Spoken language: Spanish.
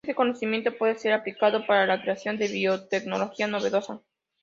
Este conocimiento puede ser aplicado para la creación de biotecnología novedosa.